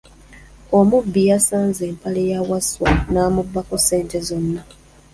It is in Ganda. Omubbi yasaze empale ya Wasswa n’amubbako ssente zonn.